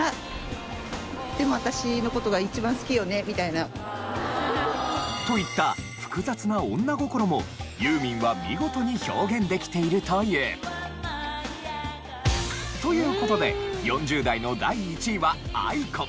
なのでといった複雑な女心もユーミンは見事に表現できているという。という事で４０代の第１位はａｉｋｏ。